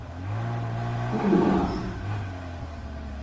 Y uno más.